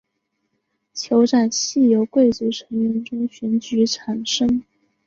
酋长系由贵族成员中选举产生。